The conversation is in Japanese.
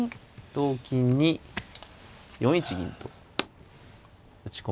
同金に４一銀と打ち込めるんですね。